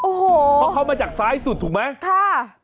โอ้โหเพราะเขามาจากซ้ายสุดถูกไหมค่ะ